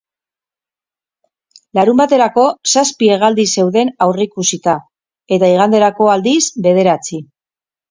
Larunbaterako zazpi hegaldi zeuden aurreikusita, eta iganderako, aldiz, bederatzi.